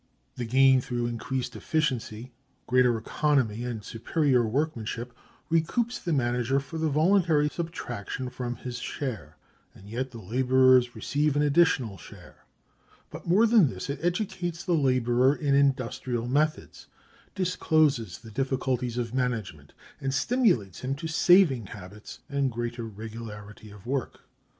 The gain through increased efficiency, greater economy, and superior workmanship, recoups the manager for the voluntary subtraction from his share, and yet the laborers receive an additional share; but more than this, it educates the laborer in industrial methods, discloses the difficulties of management, and stimulates him to saving habits and greater regularity of work.